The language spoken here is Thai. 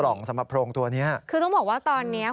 ล่องสำหรับโพรงตัวเนี้ยคือต้องบอกว่าตอนเนี้ย